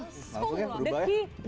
langsung ya berubah ya